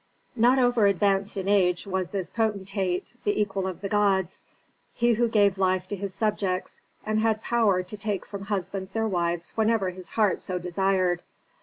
Not over advanced in age was this potentate, the equal of the gods, he who gave life to his subjects, and had power to take from husbands their wives whenever his heart so desired.